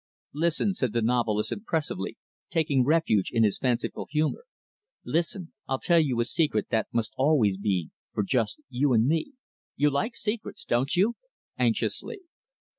"Listen" said the novelist impressively, taking refuge in his fanciful humor "listen I'll tell you a secret that must always be for just you and me you like secrets don't you?" anxiously.